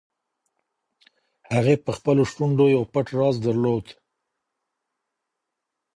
هغې په خپلو شونډو یو پټ راز درلود.